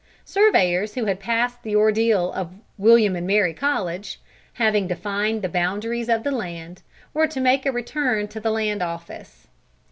Surveyors who had passed the ordeal of William and Mary College, having defined the boundaries of the land, were to make a return to the Land Office.